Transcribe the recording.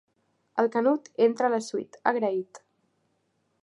El Canut entra a la suite, agraït.